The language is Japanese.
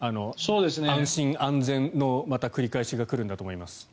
安心安全の、また繰り返しが来るんだと思います。